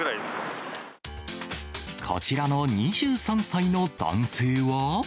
こちらの２３歳の男性は。